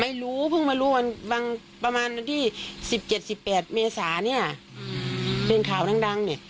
ไม่รู้เพิ่งมารู้วันบางประมาณวันที่๑๗๑๘เมษาเนี่ยเป็นข่าวดังเนี่ย